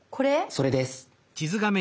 それです。